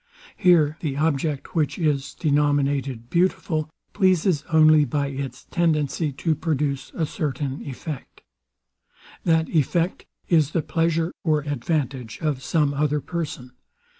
Here the object, which is denominated beautiful, pleases only by its tendency to produce a certain effect. That effect is the pleasure or advantage of some other person.